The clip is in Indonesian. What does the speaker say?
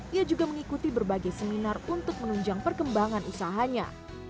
ia juga mengikuti berbagai seminar untuk menunjang perkembangan usahanya